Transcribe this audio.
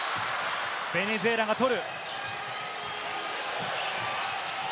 ベネズエラが取る。